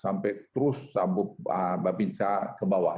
sampai terus bapak binsa ke bawah